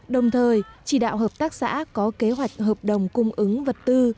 đồng thời chỉ đạo hợp tác xã có kế hoạch hợp đồng cung ứng vật tư